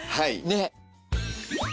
ねっ！